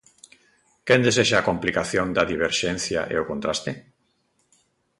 Quen desexa a complicación da diverxencia e o contraste?